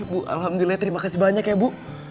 bu alhamdulillah terima kasih banyak ya bu